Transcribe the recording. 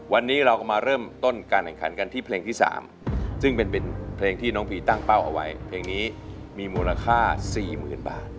วันนี้เราก็มาเริ่มต้นการแข่งขันกันที่เพลงที่๓ซึ่งเป็นเพลงที่น้องพีตั้งเป้าเอาไว้เพลงนี้มีมูลค่า๔๐๐๐บาท